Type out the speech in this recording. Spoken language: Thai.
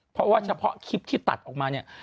เพราะว่าเฉพาะคลิปที่ตัดออกมาเนี่ย